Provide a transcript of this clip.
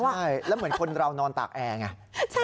ใช่แล้วเหมือนคนเรานอนตากแอร์ไง